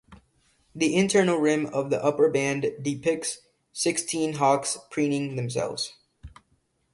The internal rim of the upper band depicts sixteen hawks preening themselves.